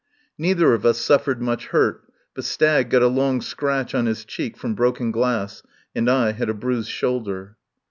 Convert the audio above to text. Neither of us suffered much hurt, but Stagg got a long scratch on his cheek from broken glass, and I had a bruised shoulder.